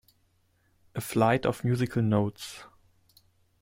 A flight of musical notes.